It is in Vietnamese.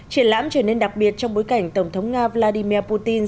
triển lãm trở nên đặc biệt trong bối cảnh tổng thống nga vladimir putin